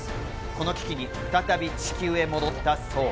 この危機に再び地球へ戻ったソー。